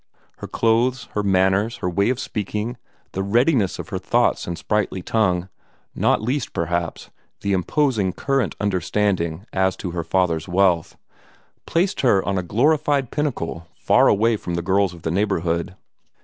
Her clothes, her manners, her way of speaking, the readiness of her thoughts and sprightly tongue not least, perhaps, the imposing current understanding as to her father's wealth placed her on a glorified pinnacle far away from the girls of the neighborhood.